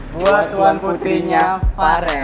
buat tuan putrinya farel